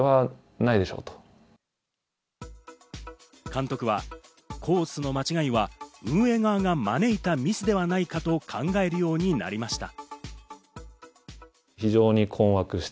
監督は、コースの間違いは運営側が招いたミスではないかと考えるようになりました。